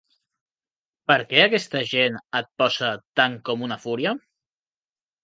Per què aquesta gent et posa tant com una fúria?